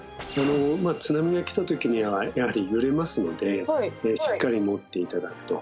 津波が来た時にはやはり揺れますのでしっかり持って頂くと。